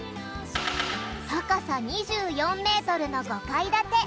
高さ２４メートルの５階建て。